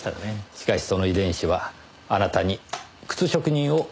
しかしその遺伝子はあなたに靴職人を目指させた。